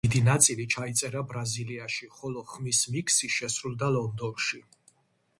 დისკის დიდი ნაწილი ჩაიწერა ბრაზილიაში, ხოლო ხმის მიქსი შესრულდა ლონდონში.